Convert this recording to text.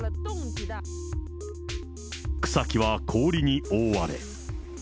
草木は氷に覆われ。